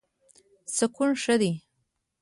سکون ښه دی.